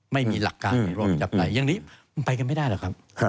ไม่มีหลักการในรอบจับได้อย่างนี้มันไปกันไม่ได้หรอกครับ